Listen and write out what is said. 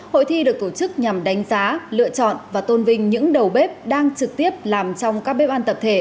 hội thi được tổ chức nhằm đánh giá lựa chọn và tôn vinh những đầu bếp đang trực tiếp làm trong các bếp ăn tập thể